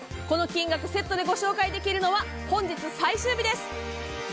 この金額セットでご紹介できるのは本日最終日です。